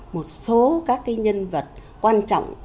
một số các nhân vật quan trọng